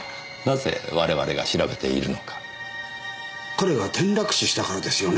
彼が転落死したからですよね。